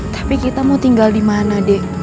tapi kita mau tinggal di mana dek